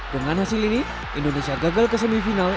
dengan hasil ini indonesia gagal ke semifinal